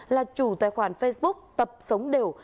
là chủ tài khoản facebook tập sống đều